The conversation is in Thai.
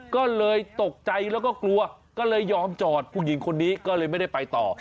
ก็เลยตกใจแล้วก็กลัวก็เลยยอมจอดผู้หญิงคนนี้ก็เลยไม่ได้ไปต่อ